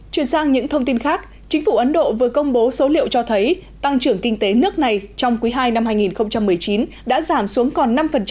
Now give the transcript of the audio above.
chuyển sang những thông tin khác chính phủ ấn độ vừa công bố số liệu cho thấy tăng trưởng kinh tế nước này trong quý ii năm hai nghìn một mươi chín đã giảm xuống còn năm